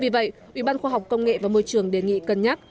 vì vậy ủy ban khoa học công nghệ và môi trường đề nghị cân nhắc